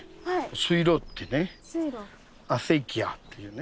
水路でねアセキアっていうね。